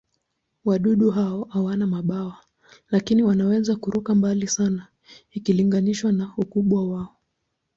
Wadudu hao hawana mabawa, lakini wanaweza kuruka mbali sana ikilinganishwa na ukubwa wao.